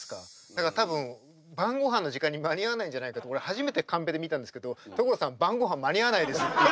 だから多分晩ごはんの時間に間に合わないんじゃないかと俺初めてカンペで見たんですけど「所さん晩ごはん間に合わないです」っていうカンペが出て。